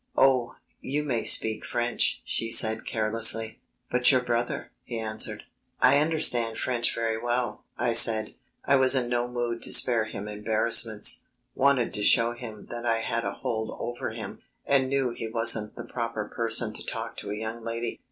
"Oh, you may speak French," she said carelessly. "But your brother...." he answered. "I understand French very well," I said. I was in no mood to spare him embarrassments; wanted to show him that I had a hold over him, and knew he wasn't the proper person to talk to a young lady.